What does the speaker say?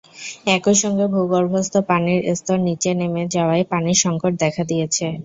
একই সঙ্গে ভূগর্ভস্থ পানির স্তর নিচে নেমে যাওয়ায় পানির সংকট দেখা দিয়েছে।